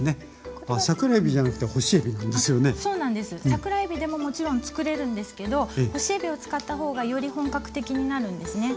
桜えびでももちろん作れるんですけど干しえびを使った方がより本格的になるんですね。